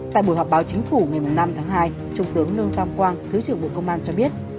tại buổi họp báo chính phủ ngày năm tháng hai trung tướng lương tam quang thứ trưởng bộ công an cho biết